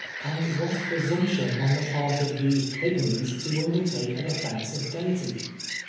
And what presumption on the part of these pigmies to to undertake a defence of deity